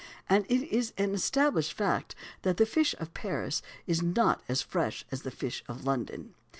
And it is an established fact that the fish of Paris is not as fresh as the fish of London.